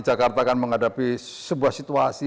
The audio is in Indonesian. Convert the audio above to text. jakarta akan menghadapi sebuah situasi